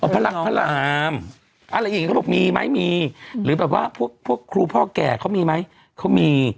พระรักพระรามอะไรอย่างนี้เขาบอกมีไหมมีหรือแบบว่าพวกครูพ่อแก่เขามีไหมเขามี